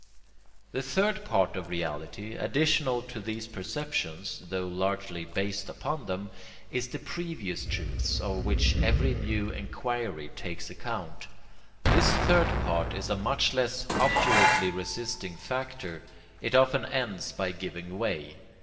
The THIRD part of reality, additional to these perceptions (tho largely based upon them), is the PREVIOUS TRUTHS of which every new inquiry takes account. This third part is a much less obdurately resisting factor: it often ends by giving way.